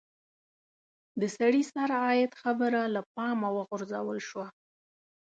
د سړي سر عاید خبره له پامه وغورځول شوه.